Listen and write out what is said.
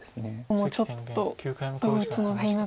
もうちょっとどう打つのがいいのか。